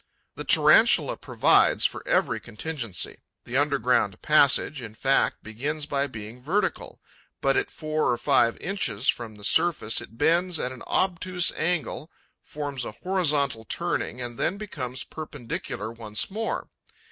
The Tarantula provides for every contingency: the underground passage, in fact, begins by being vertical, but, at four or five inches from the surface, it bends at an obtuse angle, forms a horizontal turning and then becomes perpendicular once more.